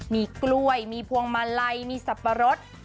มีกล้วยมีผวงมะไรมีสับปะรส